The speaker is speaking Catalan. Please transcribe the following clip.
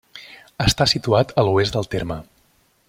Està situat a l'oest del terme.